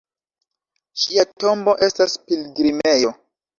Ŝia tombo estas pilgrimejo.